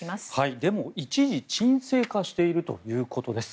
デモ、一時沈静化しているということです。